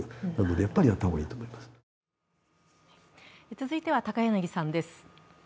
続いては高柳さんです。